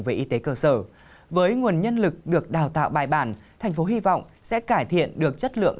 về y tế cơ sở với nguồn nhân lực được đào tạo bài bản thành phố hy vọng sẽ cải thiện được chất lượng